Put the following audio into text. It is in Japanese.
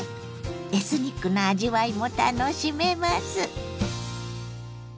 エスニックな味わいも楽しめます。